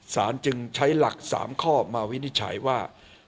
สารจึงใช้หลัก๓ข้อมาวินิจฉัยว่า